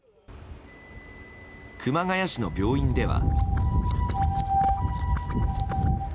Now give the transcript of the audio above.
熊谷市の病院では。